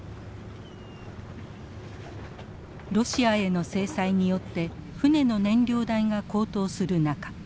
ロシアへの制裁によって船の燃料代が高騰する中